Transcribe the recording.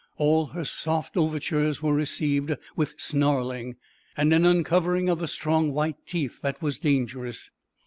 All her soft overtures were received with snarling, and an uncovering of the strong white teeth that was dangerous.